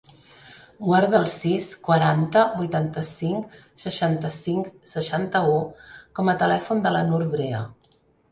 Guarda el sis, quaranta, vuitanta-cinc, seixanta-cinc, seixanta-u com a telèfon de la Nour Brea.